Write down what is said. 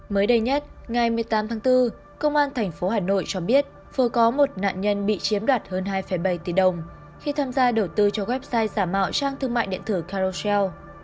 mới đây nhất ngày một mươi tám tháng bốn công an tp hà nội cho biết vừa có một nạn nhân bị chiếm đoạt hơn hai bảy tỷ đồng khi tham gia đầu tư cho website giả mạo trang thương mại điện tử carochel